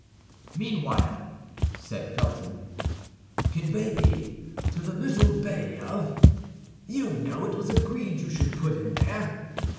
"Meanwhile," said Felton, "convey me to the little bay of—; you know it was agreed you should put in there."